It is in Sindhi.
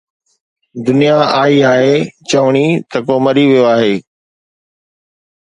دنيا آئي آهي چوڻي ته ڪوئي مري ويو آهي